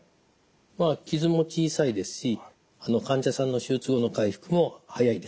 まあ傷も小さいですし患者さんの手術後の回復も早いです。